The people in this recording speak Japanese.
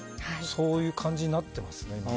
そういう感じになってますね。